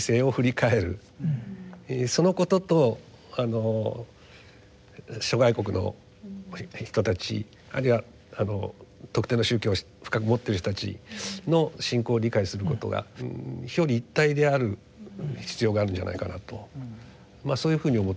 そのことと諸外国の人たちあるいは特定の宗教を深く持ってる人たちの信仰を理解することが表裏一体である必要があるんじゃないかなとそういうふうに思ってます。